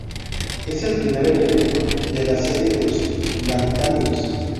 Es el primer elemento de la serie de los lantánidos.